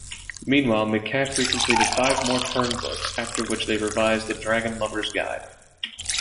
Meanwhile, McCaffrey completed five more Pern books, after which they revised "The Dragonlover's Guide".